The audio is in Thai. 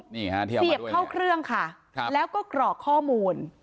นี่ฮะเสียบเข้าเครื่องค่ะแล้วก็กรอกข้อมูล